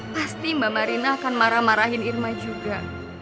pasti mbak marina akan marah marahin irma juga